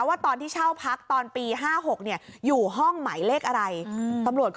ว่าตอนที่เช่าพักตอนปี๕๖เนี่ยอยู่ห้องหมายเลขอะไรตำรวจก็